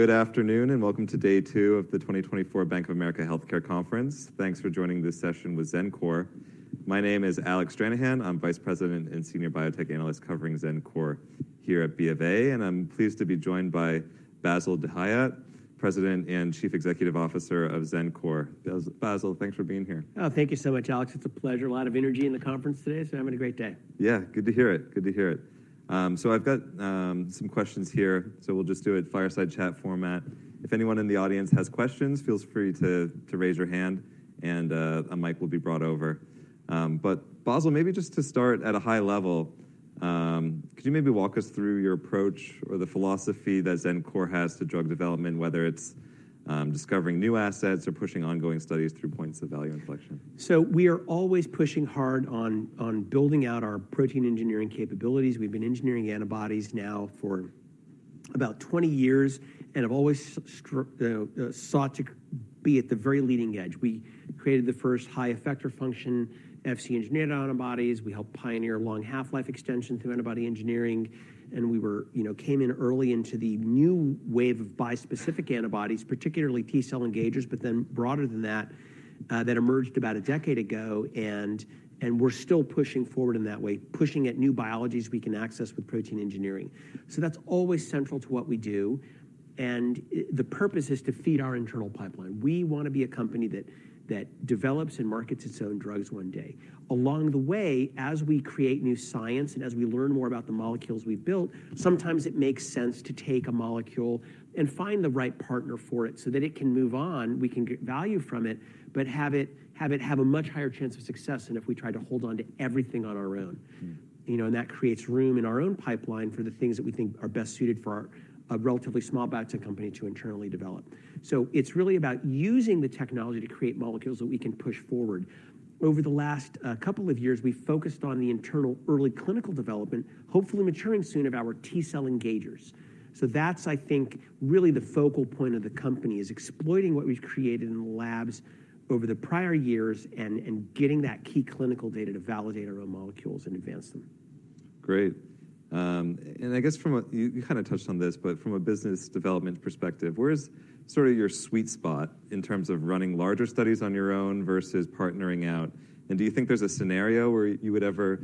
Good afternoon and welcome to day two of the 2024 Bank of America Healthcare Conference. Thanks for joining this session with Xencor. My name is Alec Stranahan. I'm Vice President and Senior Biotech Analyst covering Xencor here at B of A, and I'm pleased to be joined by Bassil Dahiyat, President and Chief Executive Officer of Xencor. Bassil, thanks for being here. Oh, thank you so much, Alec. It's a pleasure. A lot of energy in the conference today, so having a great day. Yeah, good to hear it. Good to hear it. So I've got some questions here, so we'll just do it fireside chat format. If anyone in the audience has questions, feel free to raise your hand, and a mic will be brought over. But Bassil, maybe just to start at a high level, could you maybe walk us through your approach or the philosophy that Xencor has to drug development, whether it's discovering new assets or pushing ongoing studies through points of value inflection? So we are always pushing hard on building out our protein engineering capabilities. We've been engineering antibodies now for about 20 years and have always sought you know, to be at the very leading edge. We created the first high-effector function Fc engineered antibodies. We helped pioneer long half-life extension through antibody engineering. And we, you know, came in early into the new wave of bispecific antibodies, particularly T-cell engagers, but then broader than that, that emerged about a decade ago, and we're still pushing forward in that way, pushing at new biologies we can access with protein engineering. So that's always central to what we do. And the purpose is to feed our internal pipeline. We want to be a company that develops and markets its own drugs one day. Along the way, as we create new science and as we learn more about the molecules we've built, sometimes it makes sense to take a molecule and find the right partner for it so that it can move on, we can get value from it, but have it, have it have a much higher chance of success than if we tried to hold onto everything on our own. You know, and that creates room in our own pipeline for the things that we think are best suited for our, relatively small biotech company to internally develop. So it's really about using the technology to create molecules that we can push forward. Over the last couple of years, we've focused on the internal early clinical development, hopefully maturing soon, of our T-cell engagers. That's, I think, really the focal point of the company, is exploiting what we've created in the labs over the prior years and getting that key clinical data to validate our own molecules and advance them. Great. And I guess from a, you kind of touched on this, but from a business development perspective, where's sort of your sweet spot in terms of running larger studies on your own versus partnering out? And do you think there's a scenario where you would ever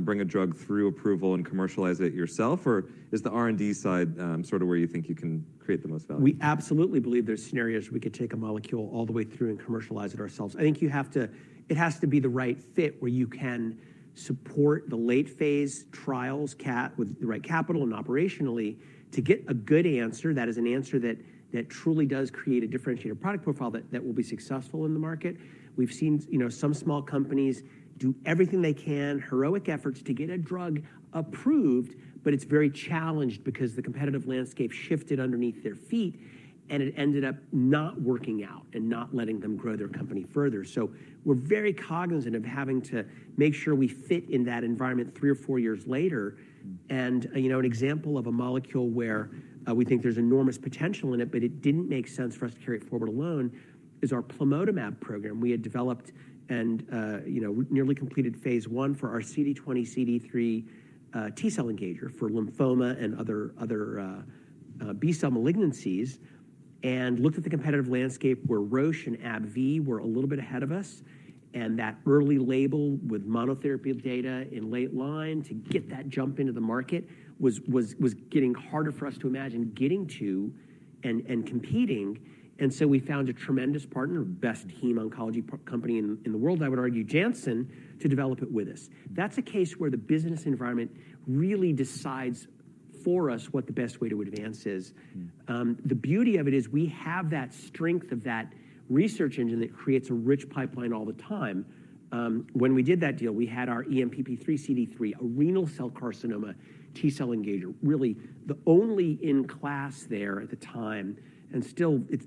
bring a drug through approval and commercialize it yourself, or is the R&D side sort of where you think you can create the most value? We absolutely believe there's scenarios where we could take a molecule all the way through and commercialize it ourselves. I think you have to, it has to be the right fit where you can support the late-phase trials, cap, with the right capital and operationally to get a good answer that is an answer that truly does create a differentiated product profile that will be successful in the market. We've seen, you know, some small companies do everything they can, heroic efforts to get a drug approved, but it's very challenged because the competitive landscape shifted underneath their feet, and it ended up not working out and not letting them grow their company further. So we're very cognizant of having to make sure we fit in that environment three or four years later. You know, an example of a molecule where we think there's enormous potential in it but it didn't make sense for us to carry it forward alone is our plamotamab program. We had developed and, you know, nearly completed phase 1 for our CD20, CD3, T-cell engager for lymphoma and other B-cell malignancies, and looked at the competitive landscape where Roche and AbbVie were a little bit ahead of us, and that early label with monotherapy data in late line to get that jump into the market was getting harder for us to imagine getting to and competing. So we found a tremendous partner, best heme oncology company in the world, I would argue, Janssen, to develop it with us. That's a case where the business environment really decides for us what the best way to advance is. The beauty of it is we have that strength of that research engine that creates a rich pipeline all the time. When we did that deal, we had our ENPP3/CD3, a renal cell carcinoma T-cell engager, really the only in class there at the time, and still it's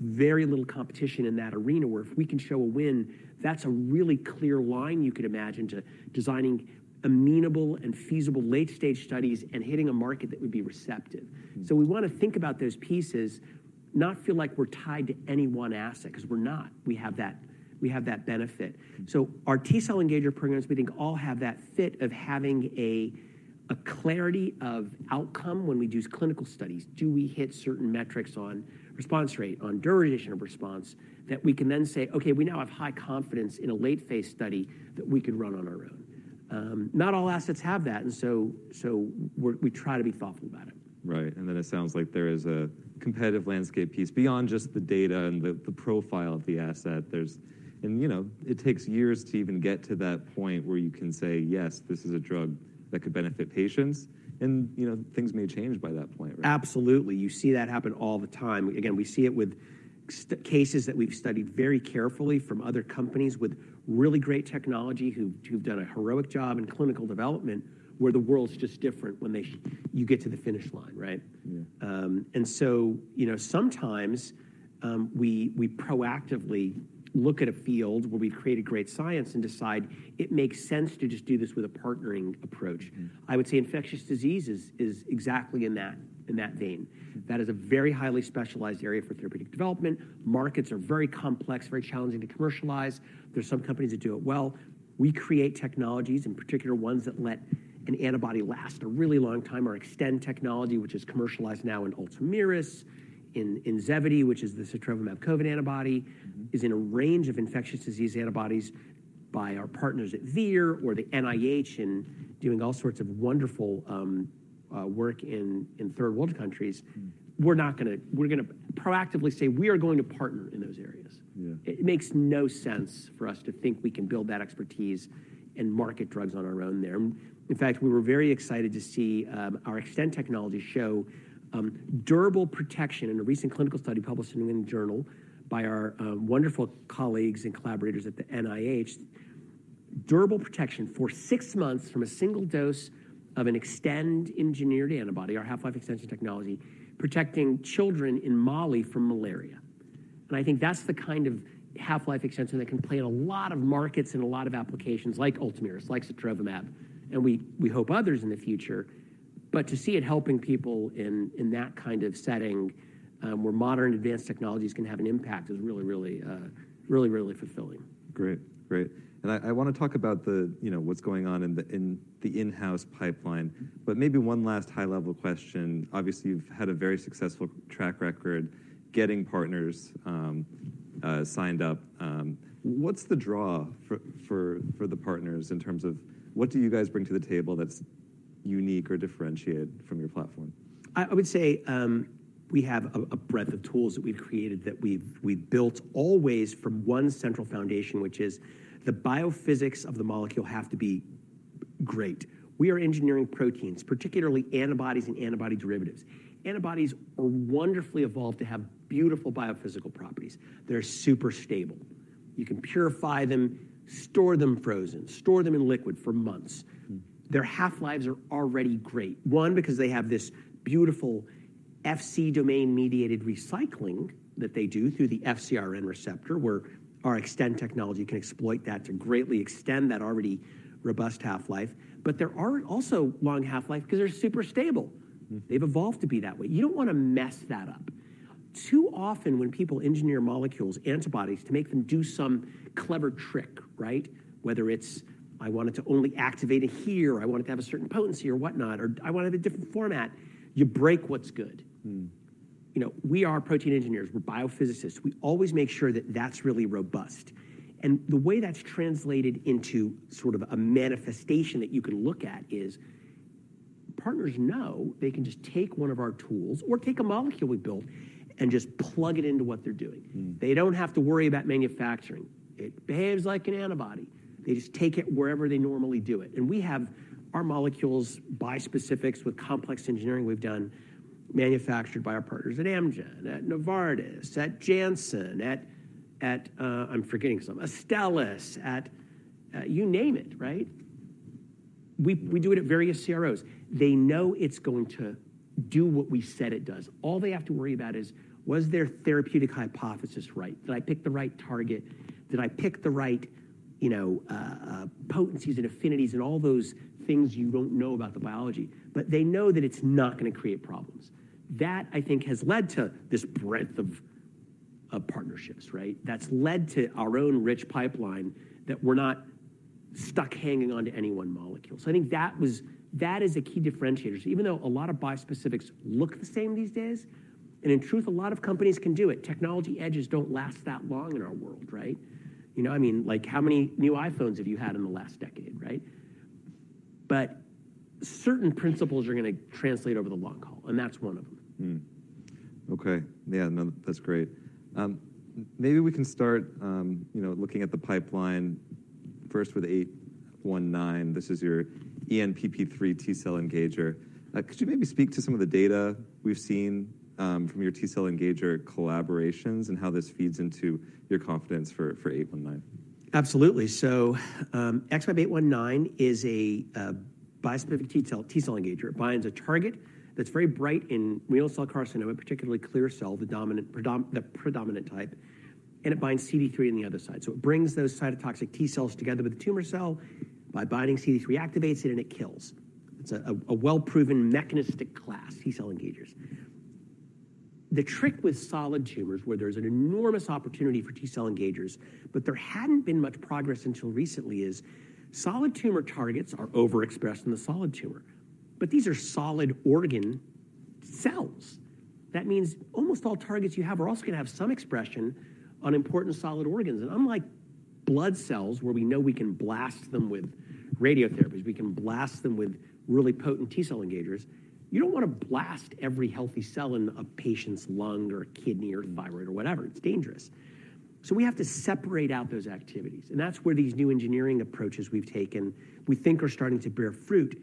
very little competition in that arena where if we can show a win, that's a really clear line you could imagine to designing amenable and feasible late-stage studies and hitting a market that would be receptive. So we want to think about those pieces, not feel like we're tied to any one asset, because we're not. We have that we have that benefit. So our T-cell engager programs, we think, all have that fit of having a clarity of outcome when we do clinical studies. Do we hit certain metrics on response rate, on duration of response, that we can then say, "Okay, we now have high confidence in a late-phase study that we could run on our own." Not all assets have that, and so we try to be thoughtful about it. Right. Then it sounds like there is a competitive landscape piece. Beyond just the data and the profile of the asset, there's, you know, it takes years to even get to that point where you can say, "Yes, this is a drug that could benefit patients." And, you know, things may change by that point, right? Absolutely. You see that happen all the time. Again, we see it with such cases that we've studied very carefully from other companies with really great technology who've done a heroic job in clinical development where the world's just different when you get to the finish line, right? Yeah. and so, you know, sometimes, we proactively look at a field where we've created great science and decide it makes sense to just do this with a partnering approach. I would say infectious disease is exactly in that vein. That is a very highly specialized area for therapeutic development. Markets are very complex, very challenging to commercialize. There's some companies that do it well. We create technologies, in particular ones that let an antibody last a really long time, our Xtend technology, which is commercialized now in ULTOMIRIS, in Xevudy, which is the sotrovimab COVID antibody, is in a range of infectious disease antibodies by our partners at Vir or the NIH in doing all sorts of wonderful work in third-world countries. We're not going to, we're going to proactively say we are going to partner in those areas. Yeah. It makes no sense for us to think we can build that expertise and market drugs on our own there. In fact, we were very excited to see our Xtend technology show durable protection in a recent clinical study published in the New England Journal by our wonderful colleagues and collaborators at the NIH. Durable protection for six months from a single dose of an Xtend engineered antibody, our half-life extension technology, protecting children in Mali from malaria. And I think that's the kind of half-life extension that can play in a lot of markets and a lot of applications like ULTOMIRIS, like sotrovimab, and we, we hope others in the future. But to see it helping people in that kind of setting, where modern advanced technologies can have an impact is really, really, really, really fulfilling. Great. Great. And I want to talk about, you know, what's going on in the in-house pipeline, but maybe one last high-level question. Obviously, you've had a very successful track record getting partners signed up. What's the draw for the partners in terms of what do you guys bring to the table that's unique or differentiate from your platform? I would say, we have a breadth of tools that we've created that we've built always from one central foundation, which is the biophysics of the molecule have to be great. We are engineering proteins, particularly antibodies and antibody derivatives. Antibodies are wonderfully evolved to have beautiful biophysical properties. They're super stable. You can purify them, store them frozen, store them in liquid for months. Their half-lives are already great, one, because they have this beautiful Fc domain-mediated recycling that they do through the FcRn receptor where our Xtend technology can exploit that to greatly extend that already robust half-life. But there are also long half-lives because they're super stable. They've evolved to be that way. You don't want to mess that up. Too often, when people engineer molecules, antibodies, to make them do some clever trick, right, whether it's I want it to only activate in here or I want it to have a certain potency or whatnot, or I want it in a different format, you break what's good. You know, we are protein engineers. We're biophysicists. We always make sure that that's really robust. And the way that's translated into sort of a manifestation that you can look at is partners know they can just take one of our tools or take a molecule we built and just plug it into what they're doing. They don't have to worry about manufacturing. It behaves like an antibody. They just take it wherever they normally do it. We have our molecules, bispecifics with complex engineering we've done, manufactured by our partners at Amgen, at Novartis, at Janssen, at, I'm forgetting some, Astellas, at, you name it, right? We do it at various CROs. They know it's going to do what we said it does. All they have to worry about is was their therapeutic hypothesis right? Did I pick the right target? Did I pick the right, you know, potencies and affinities and all those things you don't know about the biology? But they know that it's not going to create problems. That, I think, has led to this breadth of partnerships, right? That's led to our own rich pipeline that we're not stuck hanging onto any one molecule. So I think that was that is a key differentiator. So even though a lot of bispecifics look the same these days, and in truth, a lot of companies can do it, technology edges don't last that long in our world, right? You know, I mean, like, how many new iPhones have you had in the last decade, right? But certain principles are going to translate over the long haul, and that's one of them. Okay. Yeah. No, that's great. Maybe we can start, you know, looking at the pipeline. First with 819. This is your ENPP3 T-cell engager. Could you maybe speak to some of the data we've seen, from your T-cell engager collaborations and how this feeds into your confidence for, for 819? Absolutely. So, XmAb819 is a bispecific T-cell engager. It binds a target that's very bright in renal cell carcinoma, particularly clear cell, the predominant type, and it binds CD3 on the other side. So it brings those cytotoxic T-cells together with the tumor cell. By binding CD3, it activates it, and it kills. It's a well-proven mechanistic class, T-cell engagers. The trick with solid tumors, where there's an enormous opportunity for T-cell engagers, but there hadn't been much progress until recently, is solid tumor targets are overexpressed in the solid tumor. But these are solid organ cells. That means almost all targets you have are also going to have some expression on important solid organs. Unlike blood cells, where we know we can blast them with radiotherapies, we can blast them with really potent T-cell engagers, you don't want to blast every healthy cell in a patient's lung or kidney or thyroid or whatever. It's dangerous. So we have to separate out those activities. That's where these new engineering approaches we've taken, we think, are starting to bear fruit.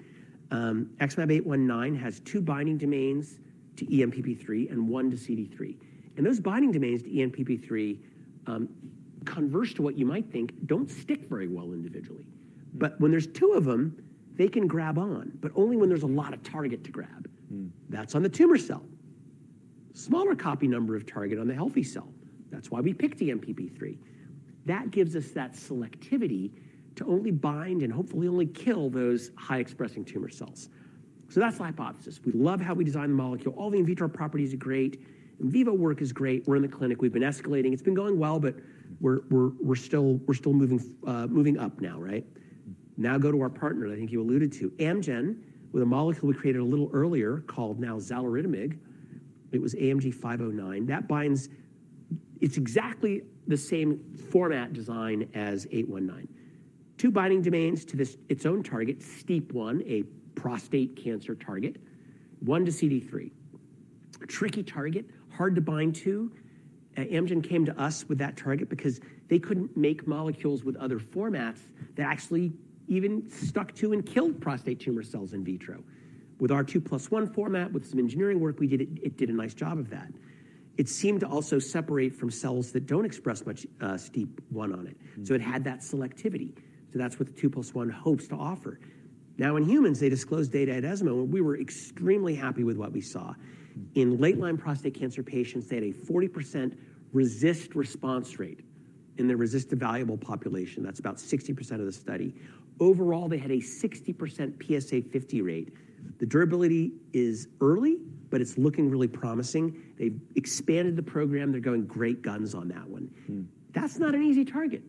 XmAb819 has two binding domains to ENPP3 and one to CD3. Those binding domains to ENPP3, converse to what you might think, don't stick very well individually. But when there's two of them, they can grab on, but only when there's a lot of target to grab. That's on the tumor cell. Smaller copy number of target on the healthy cell. That's why we picked ENPP3. That gives us that selectivity to only bind and hopefully only kill those high-expressing tumor cells. So that's the hypothesis. We love how we designed the molecule. All the in vitro properties are great. In vivo work is great. We're in the clinic. We've been escalating. It's been going well, but we're still moving up now, right? Now go to our partner that I think you alluded to, Amgen, with a molecule we created a little earlier called now xaluritamig. It was AMG 509. That binds. It's exactly the same format design as 819. Two binding domains to this, its own target, STEAP1, a prostate cancer target, one to CD3. Tricky target, hard to bind to. Amgen came to us with that target because they couldn't make molecules with other formats that actually even stuck to and killed prostate tumor cells in vitro. With our 2+1 format, with some engineering work we did, it did a nice job of that. It seemed to also separate from cells that don't express much STEAP1 on it. So it had that selectivity. So that's what the 2+1 hopes to offer. Now in humans, they disclosed data at ESMO. We were extremely happy with what we saw. In late-line prostate cancer patients, they had a 40% RECIST response rate in the RECIST-evaluable population. That's about 60% of the study. Overall, they had a 60% PSA 50 rate. The durability is early, but it's looking really promising. They've expanded the program. They're going great guns on that one. That's not an easy target,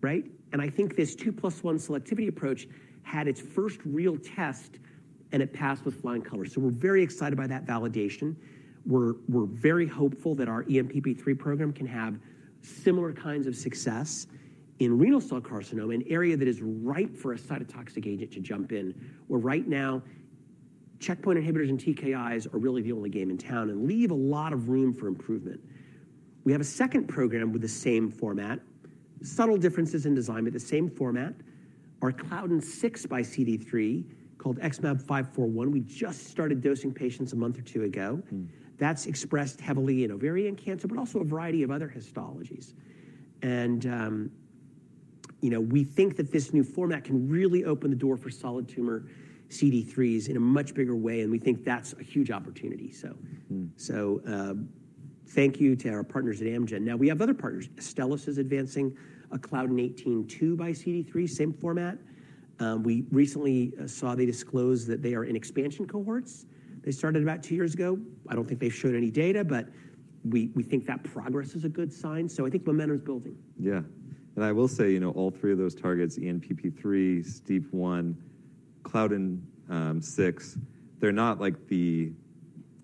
right? And I think this 2+1 selectivity approach had its first real test, and it passed with flying colors. So we're very excited by that validation. We're very hopeful that our ENPP3 program can have similar kinds of success in renal cell carcinoma, an area that is ripe for a cytotoxic agent to jump in, where right now checkpoint inhibitors and TKIs are really the only game in town and leave a lot of room for improvement. We have a second program with the same format, subtle differences in design, but the same format. Our Claudin 6 x CD3 called XmAb541, we just started dosing patients a month or two ago. That's expressed heavily in ovarian cancer but also a variety of other histologies. And, you know, we think that this new format can really open the door for solid tumor CD3s in a much bigger way, and we think that's a huge opportunity, so. So, thank you to our partners at Amgen. Now we have other partners. Astellas is advancing a Claudin 18.2 x CD3, same format. We recently saw they disclose that they are in expansion cohorts. They started about two years ago. I don't think they've shown any data, but we, we think that progress is a good sign. So I think momentum's building. Yeah. And I will say, you know, all three of those targets, ENPP3, STEAP1, Claudin 6, they're not, like, the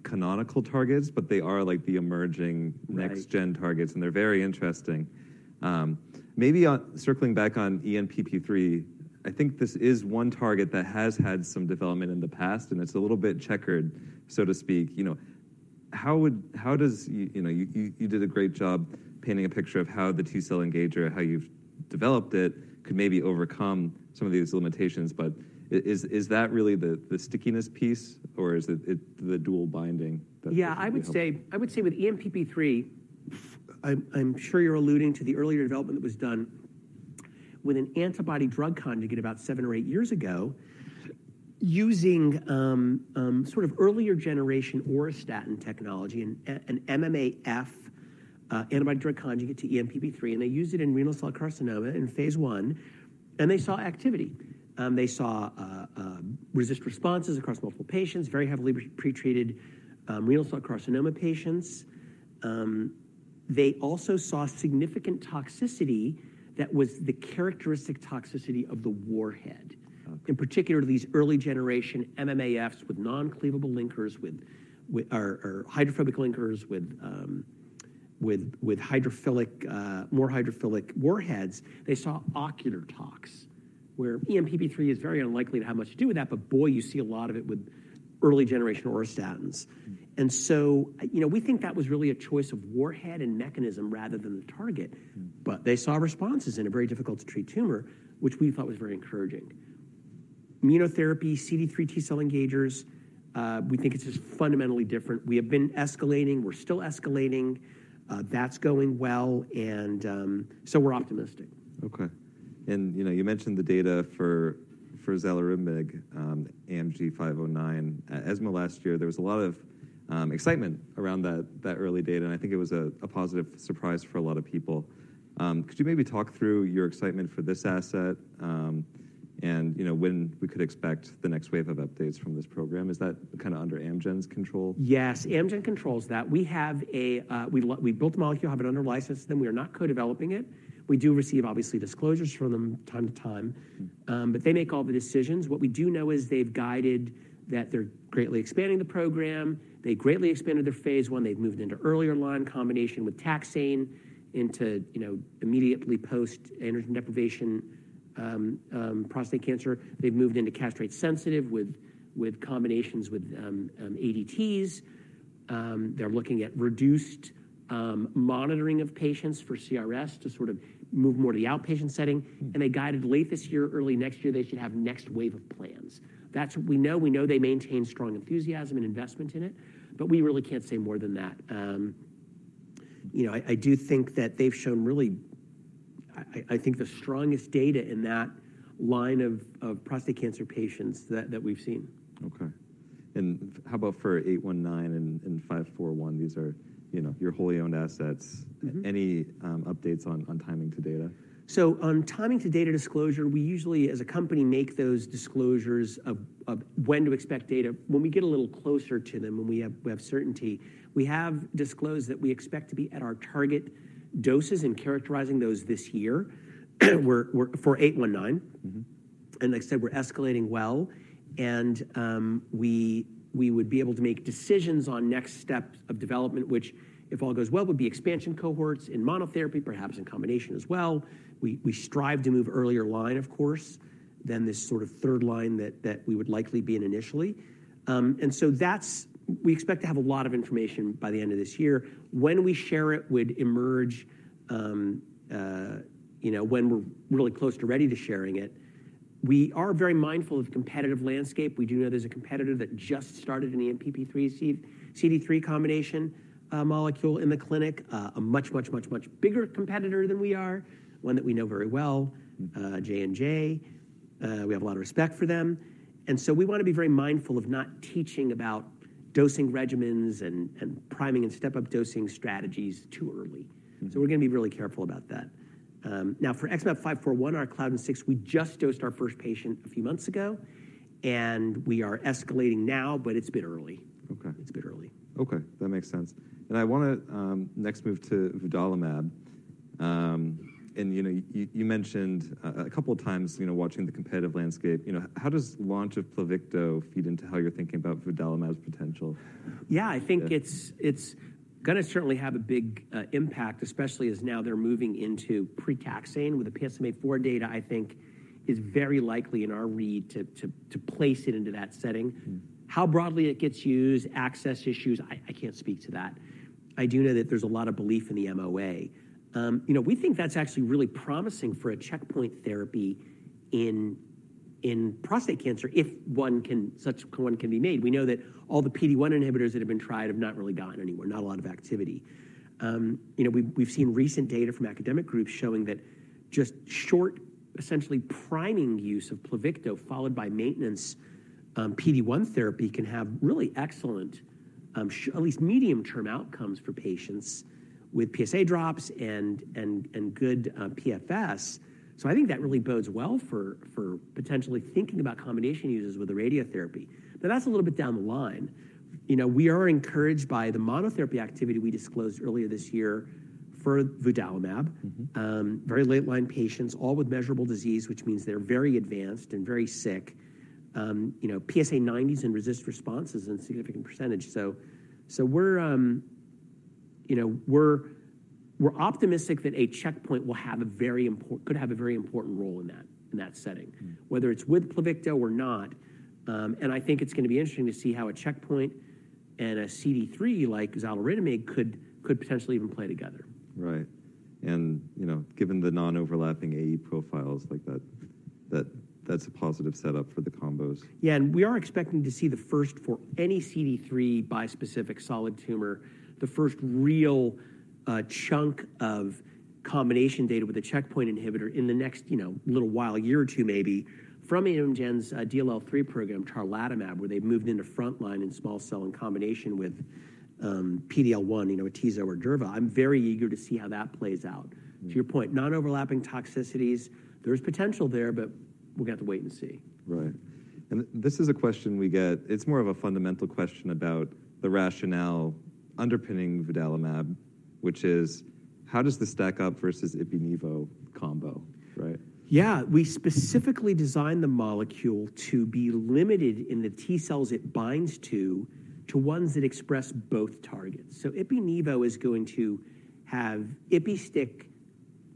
canonical targets, but they are, like, the emerging next-gen targets, and they're very interesting. Maybe on circling back on ENPP3, I think this is one target that has had some development in the past, and it's a little bit checkered, so to speak. You know, how does you did a great job painting a picture of how the T-cell engager, how you've developed it, could maybe overcome some of these limitations, but is that really the stickiness piece, or is it the dual binding that's? Yeah. I would say with ENPP3, I'm sure you're alluding to the earlier development that was done with an antibody-drug conjugate about 7 or 8 years ago using sort of earlier generation auristatin technology and MMAF, antibody-drug conjugate to ENPP3, and they used it in renal cell carcinoma in phase 1, and they saw activity. They saw RECIST responses across multiple patients, very heavily pretreated renal cell carcinoma patients. They also saw significant toxicity that was the characteristic toxicity of the warhead. In particular, these early generation MMAFs with non-cleavable linkers with or hydrophobic linkers with hydrophilic, more hydrophilic warheads, they saw ocular tox where ENPP3 is very unlikely to have much to do with that, but boy, you see a lot of it with early generation auristatins. And so, you know, we think that was really a choice of warhead and mechanism rather than the target, but they saw responses in a very difficult-to-treat tumor, which we thought was very encouraging. Immunotherapy, CD3 T-cell engagers, we think it's just fundamentally different. We have been escalating. We're still escalating. That's going well, and so we're optimistic. Okay. And, you know, you mentioned the data for xaluritamig, AMG 509, ESMO last year. There was a lot of excitement around that early data, and I think it was a positive surprise for a lot of people. Could you maybe talk through your excitement for this asset, and, you know, when we could expect the next wave of updates from this program? Is that kind of under Amgen's control? Yes. Amgen controls that. We have a, we, we built the molecule, have it under license, then we are not co-developing it. We do receive, obviously, disclosures from time to time, but they make all the decisions. What we do know is they've guided that they're greatly expanding the program. They greatly expanded their phase 1. They've moved into earlier line combination with taxane into, you know, immediately post-androgen deprivation, prostate cancer. They've moved into castrate-sensitive with, with combinations with, ADTs. They're looking at reduced monitoring of patients for CRS to sort of move more to the outpatient setting, and they guided late this year, early next year, they should have next wave of plans. That's what we know. We know they maintain strong enthusiasm and investment in it, but we really can't say more than that. You know, I think the strongest data in that line of prostate cancer patients that we've seen. Okay. How about for 819 and 541? These are, you know, your wholly owned assets. Any updates on timing to data? So on timing to data disclosure, we usually, as a company, make those disclosures of when to expect data. When we get a little closer to them, when we have certainty, we have disclosed that we expect to be at our target doses and characterizing those this year. We're for 819. And like I said, we're escalating well, and we would be able to make decisions on next steps of development, which, if all goes well, would be expansion cohorts in monotherapy, perhaps in combination as well. We strive to move earlier line, of course, than this sort of third line that we would likely be in initially. And so that's, we expect to have a lot of information by the end of this year. When we share it would emerge, you know, when we're really close to ready to sharing it. We are very mindful of the competitive landscape. We do know there's a competitor that just started an ENPP3 CD3 combination molecule in the clinic, a much, much, much, much bigger competitor than we are, one that we know very well, J&J. We have a lot of respect for them. And so we want to be very mindful of not teaching about dosing regimens and priming and step-up dosing strategies too early. So we're going to be really careful about that. Now for XmAb541, our Claudin 6, we just dosed our first patient a few months ago, and we are escalating now, but it's a bit early. Okay. It's a bit early. Okay. That makes sense. And I want to next move to vudalimab. And you know, you, you mentioned a couple of times, you know, watching the competitive landscape. You know, how does launch of Pluvicto feed into how you're thinking about vudalimab's potential? Yeah. I think it's going to certainly have a big impact, especially as now they're moving into pre-taxane with the PSMAfore data. I think is very likely in our read to place it into that setting. How broadly it gets used, access issues, I can't speak to that. I do know that there's a lot of belief in the MOA, you know. We think that's actually really promising for a checkpoint therapy in prostate cancer if one can be made. We know that all the PD1 inhibitors that have been tried have not really gotten anywhere, not a lot of activity. You know, we've seen recent data from academic groups showing that just short, essentially, priming use of Pluvicto followed by maintenance PD-1 therapy can have really excellent, at least medium-term outcomes for patients with PSA drops and good PFS. So I think that really bodes well for potentially thinking about combination uses with the radiotherapy. But that's a little bit down the line. You know, we are encouraged by the monotherapy activity we disclosed earlier this year for vudalimab, very late-line patients, all with measurable disease, which means they're very advanced and very sick, you know, PSA90s and resistant responses in a significant percentage. So we're optimistic that a checkpoint will have a very important could have a very important role in that setting, whether it's with Pluvicto or not. And I think it's going to be interesting to see how a checkpoint and a CD3 like xaluritamig could potentially even play together. Right. And, you know, given the non-overlapping AE profiles like that, that's a positive setup for the combos. Yeah. And we are expecting to see the first for any CD3 bispecific solid tumor, the first real chunk of combination data with a checkpoint inhibitor in the next, you know, little while, a year or two maybe, from Amgen's DLL3 program, tarlatamab, where they've moved into frontline in small cell in combination with PDL1, you know, a Tecentriq or durva. I'm very eager to see how that plays out. To your point, non-overlapping toxicities, there's potential there, but we're going to have to wait and see. Right. This is a question we get. It's more of a fundamental question about the rationale underpinning vudalimab, which is, how does this stack up versus ipi-nivo combo, right? Yeah. We specifically designed the molecule to be limited in the T cells it binds to ones that express both targets. So ipi, nivo is going to have ipi stick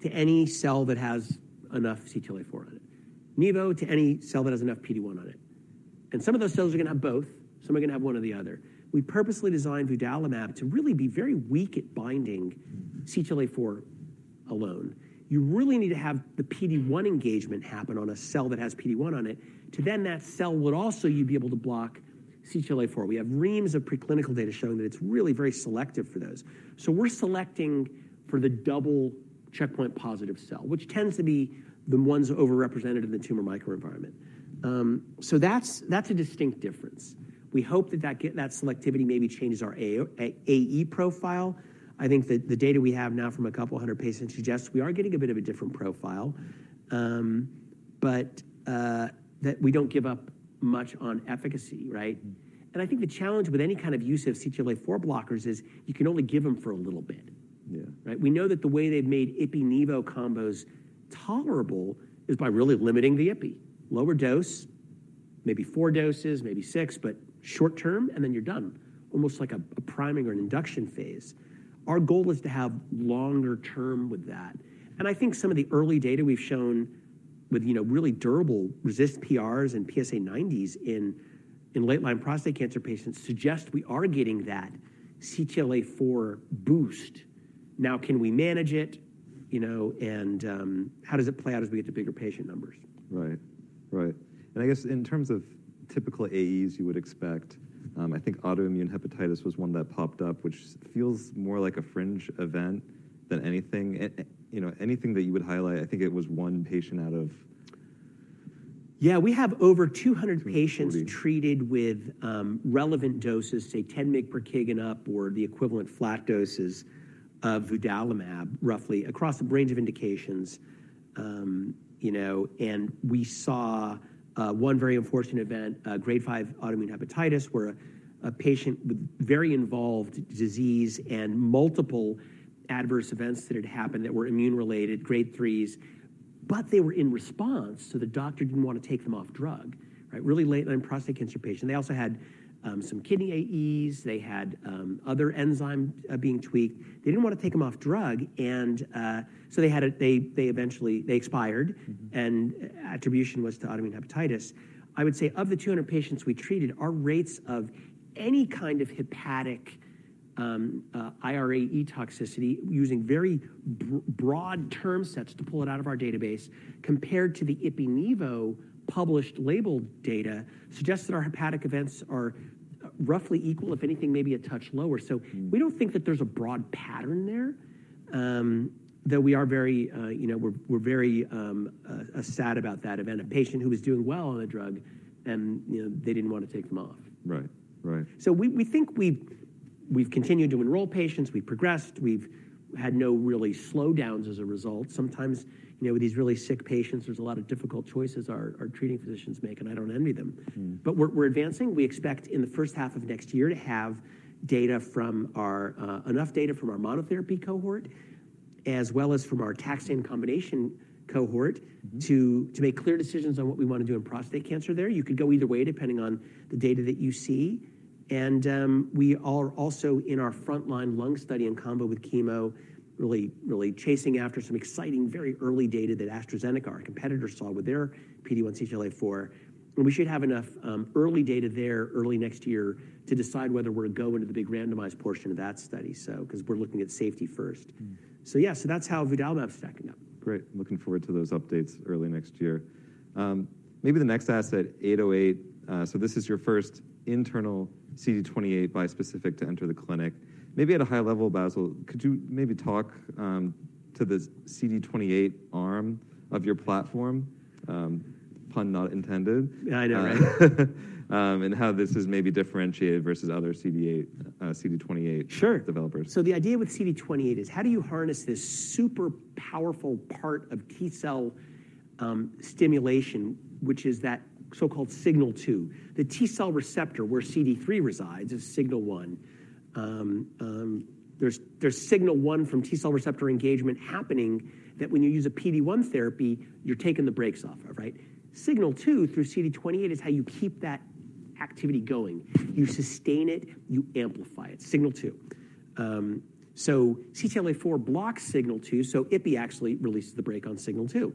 to any cell that has enough CTLA-4 on it, nivo to any cell that has enough PD-1 on it. And some of those cells are going to have both. Some are going to have one or the other. We purposely designed vudalimab to really be very weak at binding CTLA-4 alone. You really need to have the PD-1 engagement happen on a cell that has PD-1 on it that cell would also you'd be able to block CTLA-4. We have reams of preclinical data showing that it's really very selective for those. So we're selecting for the double checkpoint-positive cell, which tends to be the ones overrepresented in the tumor microenvironment. So that's, that's a distinct difference. We hope that that gets that selectivity maybe changes our AE profile. I think that the data we have now from 200 patients suggests we are getting a bit of a different profile, but that we don't give up much on efficacy, right? I think the challenge with any kind of use of CTLA-4 blockers is you can only give them for a little bit, right? We know that the way they've made ipi-nivo combos tolerable is by really limiting the ipi, lower dose, maybe 4 doses, maybe 6, but short-term, and then you're done, almost like a priming or an induction phase. Our goal is to have longer-term with that. I think some of the early data we've shown with, you know, really durable RECIST PRs and PSA 90s in late-line prostate cancer patients suggest we are getting that CTLA-4 boost. Now, can we manage it, you know, and how does it play out as we get to bigger patient numbers? Right. Right. And I guess in terms of typical AEs you would expect, I think autoimmune hepatitis was one that popped up, which feels more like a fringe event than anything. It, you know, anything that you would highlight, I think it was one patient out of. Yeah. We have over 200 patients treated with relevant doses, say 10 mg/kg up or the equivalent flat doses of vudalimab roughly across a range of indications, you know, and we saw one very unfortunate event, grade 5 autoimmune hepatitis where a patient with very involved disease and multiple adverse events that had happened that were immune-related, grade 3s, but they were in response so the doctor didn't want to take them off drug, right? Really late-line prostate cancer patient. They also had some kidney AEs. They had other enzyme being tweaked. They didn't want to take them off drug, and so they eventually expired, and attribution was to autoimmune hepatitis. I would say of the 200 patients we treated, our rates of any kind of hepatic, IRAE toxicity, using very broad term sets to pull it out of our database, compared to the ipi/nivo published labeled data, suggests that our hepatic events are roughly equal, if anything maybe a touch lower. So we don't think that there's a broad pattern there, though we are very, you know, very sad about that event, a patient who was doing well on the drug and, you know, they didn't want to take them off. Right. Right. So we think we've continued to enroll patients. We've progressed. We've had no real slowdowns as a result. Sometimes, you know, with these really sick patients, there's a lot of difficult choices our treating physicians make, and I don't envy them. But we're advancing. We expect in the first half of next year to have enough data from our monotherapy cohort as well as from our taxane combination cohort to make clear decisions on what we want to do in prostate cancer there. You could go either way depending on the data that you see. And we are also in our frontline lung study in combo with chemo, really chasing after some exciting very early data that AstraZeneca, our competitor, saw with their PD-1 CTLA-4. We should have enough early data there early next year to decide whether we're going to go into the big randomized portion of that study, so, because we're looking at safety first. So yeah. So that's how vudalimab's stacking up. Great. Looking forward to those updates early next year. Maybe the next asset, 808, so this is your first internal CD28 bispecific to enter the clinic. Maybe at a high level, Bassil, could you maybe talk to the CD28 arm of your platform, pun not intended. Yeah. I know, right? and how this is maybe differentiated versus other CD8, CD28 developers. Sure. So the idea with CD28 is how do you harness this super powerful part of T cell stimulation, which is that so-called signal two. The T cell receptor where CD3 resides is signal one. There's signal one from T cell receptor engagement happening that when you use a PD1 therapy, you're taking the brakes off of, right? Signal two through CD28 is how you keep that activity going. You sustain it. You amplify it. Signal two. So CTLA-4 blocks signal two, so ipi actually releases the brake on signal two.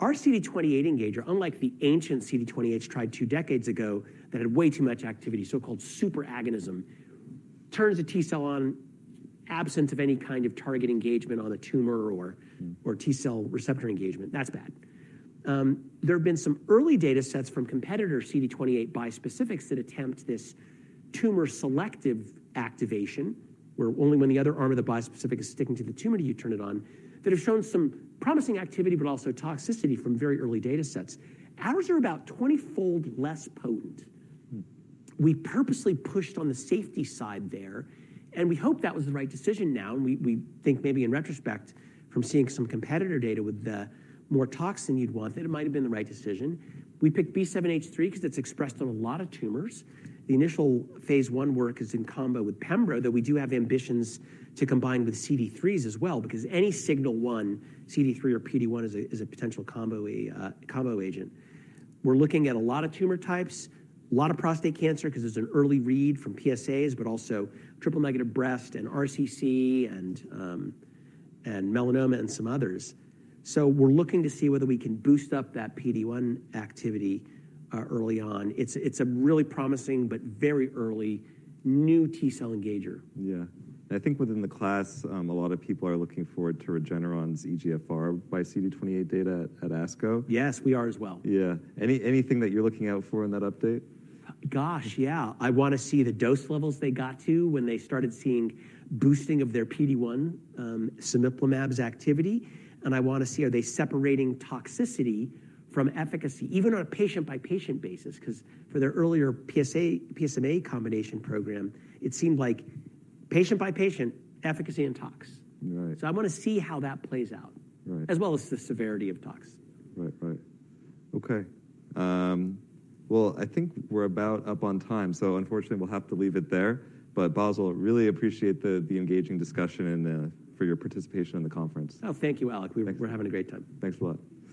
Our CD28 engager, unlike the ancient CD28s tried two decades ago that had way too much activity, so-called super agonism, turns a T cell on absent of any kind of target engagement on the tumor or T cell receptor engagement. That's bad. There have been some early data sets from competitor CD28 bispecifics that attempt this tumor selective activation where only when the other arm of the bispecific is sticking to the tumor do you turn it on, that have shown some promising activity but also toxicity from very early data sets. Ours are about 20-fold less potent. We purposely pushed on the safety side there, and we hope that was the right decision now. We, we think maybe in retrospect from seeing some competitor data with the more toxin you'd want, that it might have been the right decision. We picked B7-H3 because it's expressed on a lot of tumors. The initial phase one work is in combo with pembro, though we do have ambitions to combine with CD3s as well because any signal one, CD3 or PD-1 is a, is a potential combo agent. We're looking at a lot of tumor types, a lot of prostate cancer because it's an early read from PSAs but also triple negative breast and RCC and, and melanoma and some others. So we're looking to see whether we can boost up that PD1 activity, early on. It's, it's a really promising but very early new T cell engager. Yeah. I think within the class, a lot of people are looking forward to Regeneron's EGFR x CD28 data at ASCO. Yes. We are as well. Yeah. Anything that you're looking out for in that update? Gosh. Yeah. I want to see the dose levels they got to when they started seeing boosting of their PD-1, cemiplimab's activity. And I want to see are they separating toxicity from efficacy even on a patient-by-patient basis because for their earlier PSA, PSMA combination program, it seemed like patient-by-patient, efficacy and tox. Right. I want to see how that plays out as well as the severity of tox. Right. Right. Okay. Well, I think we're about up on time. So unfortunately, we'll have to leave it there. But Bassil, really appreciate the, the engaging discussion and for your participation in the conference. Oh, thank you, Alec. We're having a great time. Thanks a lot.